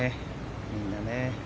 みんなね。